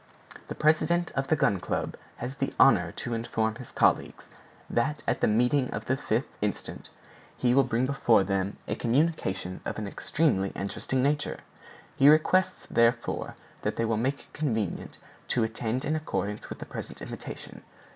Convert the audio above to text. The president of the Gun Club has the honor to inform his colleagues that, at the meeting of the 5th instant, he will bring before them a communication of an extremely interesting nature. He requests, therefore, that they will make it convenient to attend in accordance with the present invitation.